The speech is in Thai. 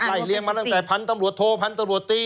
เลี้ยงมาตั้งแต่พันธุ์ตำรวจโทพันธบรวจตี